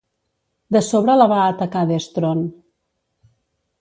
De sobre la va atacar Destron.